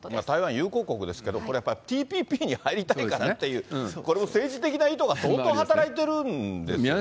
台湾、友好国ですけれども、これはやっぱりＴＰＰに入りたいからっていう、これも政治的な意図が相当働いてるんですよ。